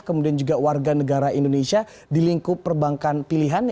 kemudian juga warga negara indonesia di lingkup perbankan pilihan